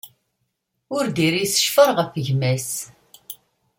Ur d-iris ccfer ɣef gma-s.